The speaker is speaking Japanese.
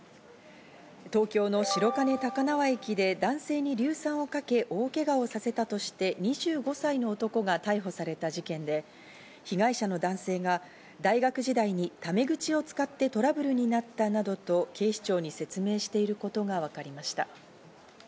東京の白金高輪駅で男性に硫酸をかけ、大けがをさせたとして２５歳の男が逮捕された事件で、被害者の男性が大学時代にタメ口を使ってトラブルになったなどと警視庁に説明していることがわかりました。